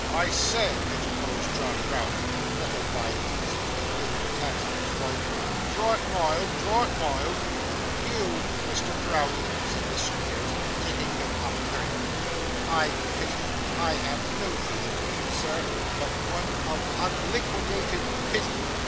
'I say,' interposed John Browdie, nettled by these accumulated attacks on his wife, 'dra' it mild, dra' it mild.' 'You, Mr. Browdie,' said Miss Squeers, taking him up very quickly, 'I pity. I have no feeling for you, sir, but one of unliquidated pity.